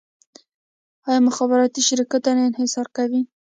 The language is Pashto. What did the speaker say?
آیا مخابراتي شرکتونه انحصار کوي؟